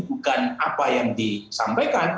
bukan apa yang disampaikan